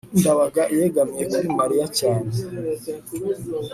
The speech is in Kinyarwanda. ndabaga yegamiye kuri mariya cyane